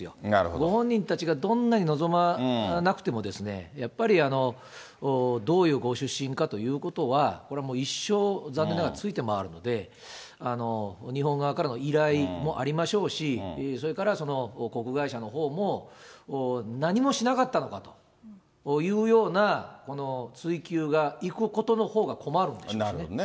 ご本人たちがどんなに望まなくてもですね、やっぱりどういうご出身かということは、これもう、一生、残念ながらついて回るので、日本側からの依頼もありましょうし、それから航空会社のほうも、何もしなかったのかというような追及がいくことのほうが困るんでなるほどね。